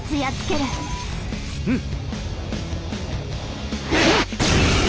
うん！